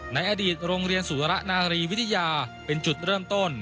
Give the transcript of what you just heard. ในอดีตโรงเรียนสุระนารีวิทยาเป็นจุดเริ่มต้น